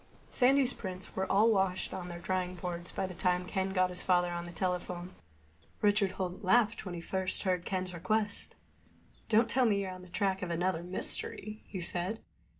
Sandy's prints were all washed and on their drying boards by the time Ken got his father on the telephone. Richard Holt laughed when he first heard Ken's request. "Don't tell me you're on the track of another mystery," he said.